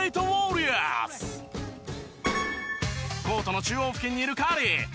コートの中央付近にいるカリー。